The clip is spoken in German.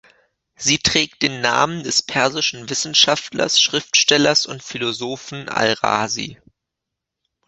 Sie trägt den Namen des persischen Wissenschaftlers, Schriftstellers und Philosophen Al-Razi.